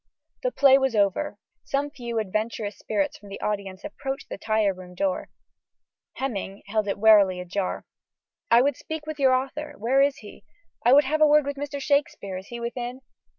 The play was over. Some few adventurous spirits from the audience approached the tire room door: Heminge held it warily ajar. "I would speak with your author: where is he?" "I would have a word with Mr. Shakespeare: is he within?"